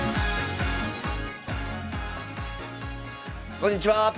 こんにちは！